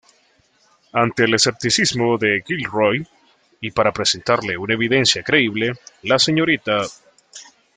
Ante el escepticismo de Gilroy, y para presentarle una evidencia creíble, la Srta.